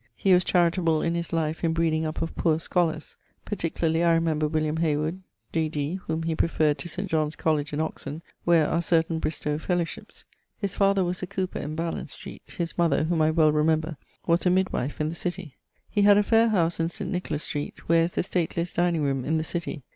He was charitable in his life in breeding up of poor scholars: particularly I remember William Haywood, D.D., whome he preferred to St. John's Colledge in Oxon, where are certaine Bristowe fellowships. His father was a cowper in Ballance Street; his mother, whom I well remember, was a midwife in the city. He had a fair house in St. Nicholas Street, where is the stateliest dining roome in the city.